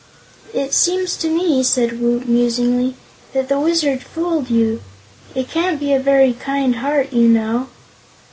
"It seems to me," said Woot, musingly, "that the Wizard fooled you. It can't be a very Kind Heart, you know."